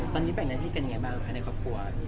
ตอนนี้แบ่งหน้าที่กันยังไงบ้างภายในครอบครัว